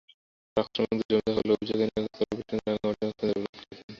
ট্রাকশ্রমিকদের জমি দখলের অভিযোগ এনে গতকাল বৃহস্পতিবার রাঙামাটিতে ট্রাকশ্রমিকেরা সড়ক অবরোধ করেছেন।